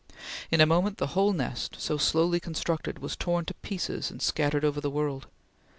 In a moment the whole nest so slowly constructed, was torn to pieces and scattered over the world.